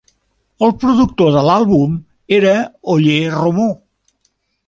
El productor de l'àlbum era Olle Romo.